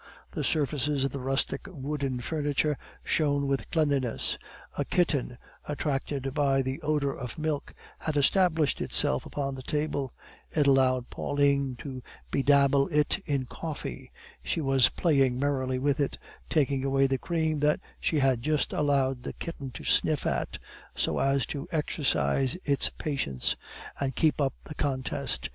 The surfaces of the rustic wooden furniture shone with cleanliness. A kitten, attracted by the odor of milk, had established itself upon the table; it allowed Pauline to bedabble it in coffee; she was playing merrily with it, taking away the cream that she had just allowed the kitten to sniff at, so as to exercise its patience, and keep up the contest.